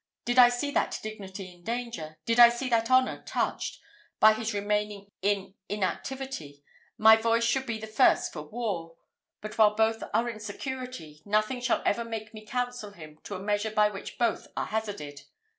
Did I see that dignity in danger, did I see that honour touched, by his remaining in inactivity, my voice should be the first for war; but while both are in security, nothing shall ever make me counsel him to a measure by which both are hazarded.